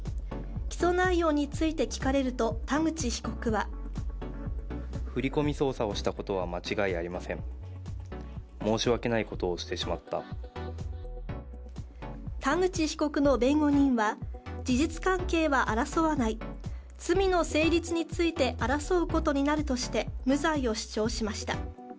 起訴内容について聞かれると田口被告は田口被告の弁護人は事実関係は争わない罪の成立について争うことになるとして、無罪を主張しました。